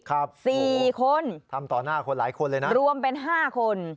ครับโอ้โฮทำต่อหน้าหลายคนเลยนะรวมเป็น๕คน